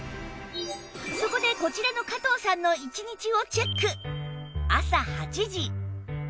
そこでこちらの加藤さんの１日をチェック！